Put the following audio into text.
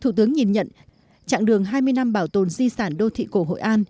thủ tướng nhìn nhận trạng đường hai mươi năm bảo tồn di sản đô thị cổ hội an